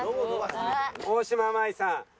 大島麻衣さん。